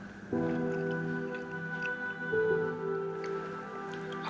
tante aku mau tanya